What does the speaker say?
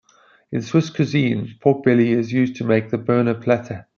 In Swiss cuisine, pork belly is used to make the "Berner Platte".